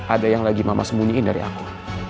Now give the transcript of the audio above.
ada yang lagi mama sembunyiin dari aku